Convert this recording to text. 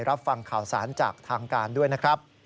รับฟังข่าวสารจากทางการด้วยนะครับ